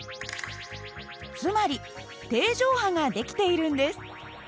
つまり定常波が出来ているんです。